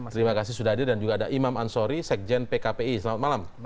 terima kasih sudah hadir dan juga ada imam ansori sekjen pkpi selamat malam